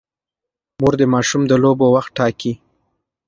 مور د ماشوم د لوبو وخت ټاکي.